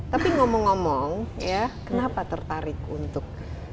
tapi ngomong ngomong ya kenapa tertarik untuk